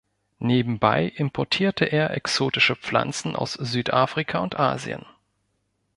Nebenbei importierte er exotische Pflanzen aus Südafrika und Asien.